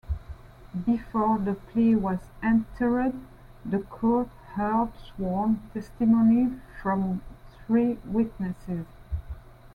Before the plea was entered, the court heard sworn testimony from three witnesses.